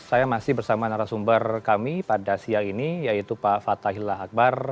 saya masih bersama narasumber kami pada siang ini yaitu pak fathahillah akbar